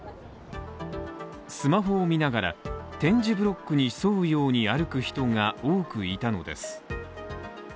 スマホを見ながら、点字ブロックに沿うように歩く人が多くいたのです。